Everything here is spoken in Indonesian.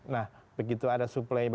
nah begitu ada suplai